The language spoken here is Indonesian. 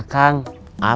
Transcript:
aku lajarin di tenaga